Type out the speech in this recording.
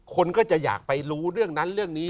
คนก็จะอยากไปรู้เรื่องนั้นเรื่องนี้